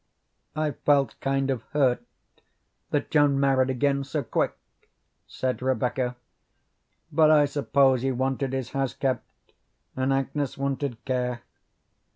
"I felt kind of hurt that John married again so quick," said Rebecca; "but I suppose he wanted his house kept, and Agnes wanted care.